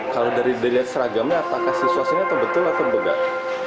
kalau dari dilihat seragamnya apakah situasinya betul atau enggak